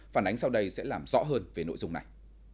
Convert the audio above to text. phản ánh sau đây sẽ làm rõ hơn về nội dung này